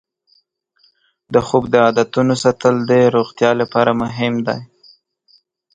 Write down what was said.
د خوب د عادتونو ساتل د روغتیا لپاره مهم دی.